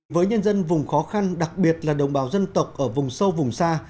với nhân dân vùng khó khăn đặc biệt là đồng bào dân tộc ở vùng sâu vùng xa